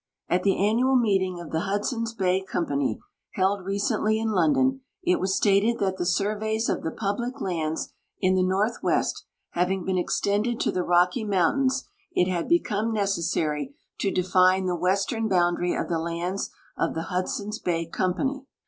At tlie annual meeting of the Hudson's Bay Compan}'^, held recently in London, it was stated that the surveys of the public lands in the northwest having been extended to the Rocky mountains it had be come necessary to define tlie western boundary of the lands of the Hud son's Bay Company.